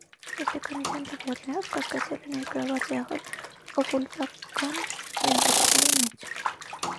Ոստիկանության տվյալներով՝ կասկածյալը ներգրավված է եղել օկուլտական երևույթների մեջ։